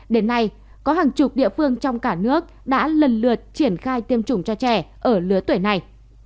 đến nay có hàng chục địa phương trong cả nước đã lần lượt triển khai tiêm chủng cho trẻ ở lứa tuổi này